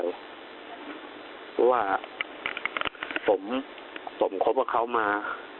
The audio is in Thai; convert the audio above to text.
เพราะว่าผมสมคบกับเขามา